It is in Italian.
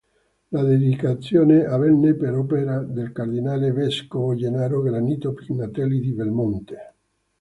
La dedicazione avvenne per opera del cardinale vescovo Gennaro Granito Pignatelli di Belmonte.